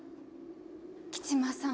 吉間さん